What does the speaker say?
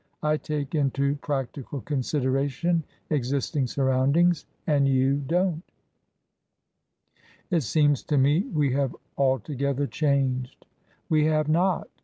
I take into practical consideration existing surroundings and you don't" It seems to me we have altogether changed." We have not.